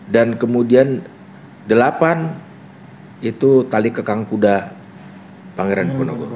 dan kemudian delapan itu tali kekang kuda pangeran pernogoro